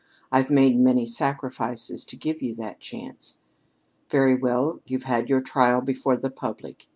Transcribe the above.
I've made many sacrifices to give you that chance. Very well; you've had your trial before the public.